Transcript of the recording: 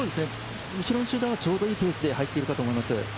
後ろの集団がちょうどいいペースで入っているかと思います。